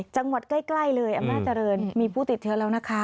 จังหวัดใกล้เลยอำนาจเจริญมีผู้ติดเชื้อแล้วนะคะ